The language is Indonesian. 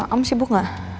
om sibuk gak